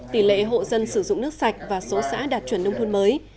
tỷ lệ hộ dân sử dụng nước sạch và số xã đạt chuẩn nông thôn mới